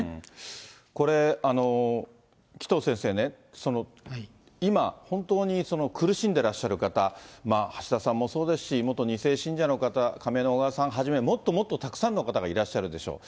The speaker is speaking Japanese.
これ、紀藤先生ね、今、本当に苦しんでらっしゃる方、橋田さんもそうですし、元２世信者の方、仮名の小川さんはじめ、もっともっとたくさんの方がいらっしゃるでしょう。